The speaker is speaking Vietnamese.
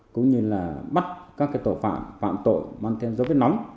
cũng như là bắt các tội phạm phạm tội mang thêm dấu vết nóng